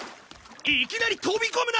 いきなり飛び込むな！